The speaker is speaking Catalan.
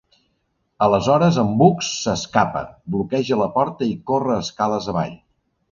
Aleshores en Bugs s'escapa, bloqueja la porta i corre escales avall.